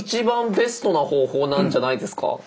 ベストな方法なんじゃないですか？